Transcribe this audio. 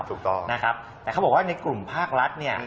ถูกต้องนะครับแต่เขาบอกว่าในกลุ่มภาครัฐเนี่ย